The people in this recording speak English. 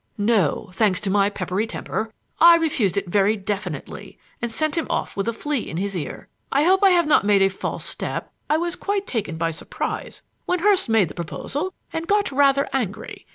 "No, thanks to my peppery temper. I refused it very definitely, and sent him off with a flea in his ear. I hope I have not made a false step; I was quite taken by surprise when Hurst made the proposal and got rather angry.